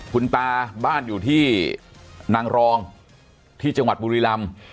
คุณตาบ้านอยู่ที่นางรองที่จังหวัดบุรีรำ